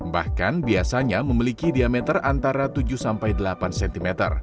bahkan biasanya memiliki diameter antara tujuh sampai delapan cm